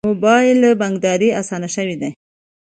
موبایل بانکداري اسانه شوې ده